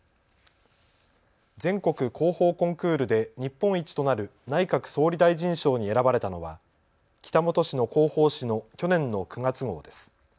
全国広報コンクールで日本一となる内閣総理大臣賞に選ばれたのは北本市の広報紙の去年の９月号です。